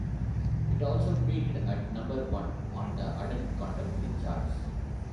It also peaked at number one on the Adult Contemporary charts.